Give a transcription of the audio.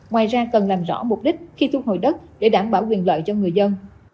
ngoài ra cần làm rõ mục đích khi thu hồi đất để đảm bảo quyền lợi cho người dân